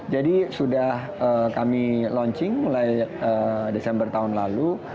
jadi sudah kami launching mulai desember tahun lalu